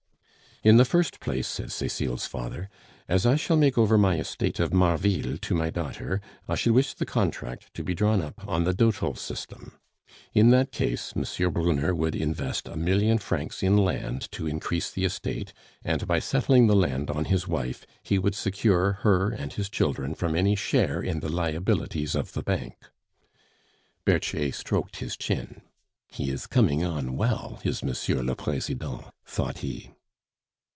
"In the first place," said Cecile's father, "as I shall make over my estate of Marville to my daughter, I should wish the contract to be drawn up on the dotal system. In that case, M. Brunner would invest a million francs in land to increase the estate, and by settling the land on his wife he would secure her and his children from any share in the liabilities of the bank." Berthier stroked his chin. "He is coming on well, is M. le President," thought he.